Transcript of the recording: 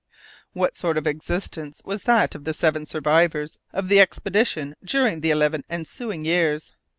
What sort of existence was that of the seven survivors of the expedition during the eleven ensuing years?